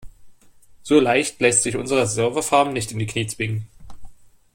So leicht lässt sich unsere Serverfarm nicht in die Knie zwingen.